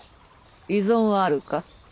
異存はあるか？